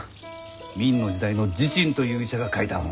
明の時代の時珍という医者が書いた本。